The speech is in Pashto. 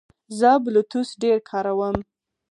زه بلوتوث ډېر کاروم.